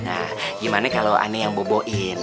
nah gimana kalau ane yang boboin